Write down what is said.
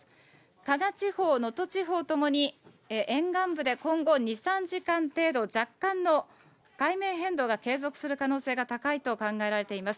加賀地方、能登地方ともに沿岸部で今後２、３時間程度、若干の海面変動が継続する可能性が高いと考えられています。